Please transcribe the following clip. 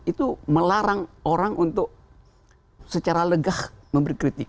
itu melarang orang untuk secara legah memberi kritik